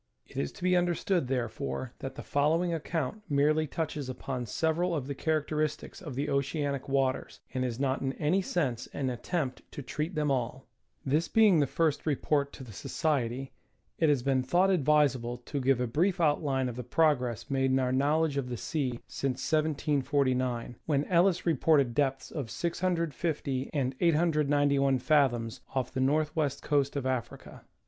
It is to be understood, therefore, that the following account merely touches upon several of the characteristics of the oceanic waters, and is not in any sense an attempt to treat them all. This being the first report to the Society it has been thought advisable to give a brief outline of the progress made in our knowledge of the sea since 1749, when Ellis reported depths of 650 and 891 fathoms off the north west coast of Africa.